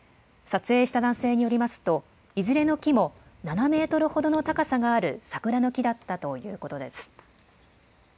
撮影した男性によりますと、いずれの木も７メートルほどの高さがある桜の木だったということです。